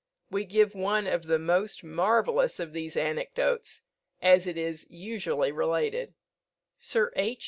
We give one of the most marvellous of these anecdotes, as it is usually related: Sir H.